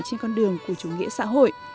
trên con đường của chủ nghĩa xã hội